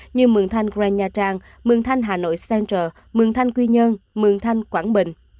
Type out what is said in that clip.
như mường thanh gran nha trang mường thanh hà nội center mường thanh quy nhơn mường thanh quảng bình